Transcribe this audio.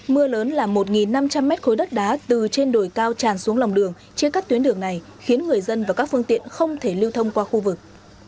mưa lớn là một năm trăm linh mét khối đất đá từ trên đồi cao tràn xuống lòng đường chia cắt tuyến đường này khiến người dân và các phương tiện không thể lưu thông qua khu vực